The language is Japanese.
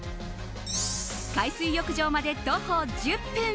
海水浴場まで徒歩１０分。